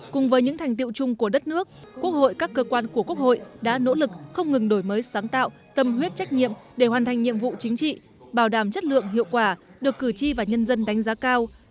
cùng với những thành tiệu chung của đất nước quốc hội các cơ quan của quốc hội đã nỗ lực không ngừng đổi mới sáng tạo tâm huyết trách nhiệm để hoàn thành nhiệm vụ chính trị bảo đảm chất lượng hiệu quả được cử tri và nhân dân đánh giá cao